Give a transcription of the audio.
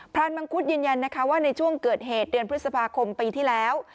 รานมังคุดยืนยันนะคะว่าในช่วงเกิดเหตุเดือนพฤษภาคมปีที่แล้ว